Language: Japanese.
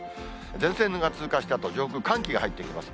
前線が通過したあと、上空、寒気が入ってきます。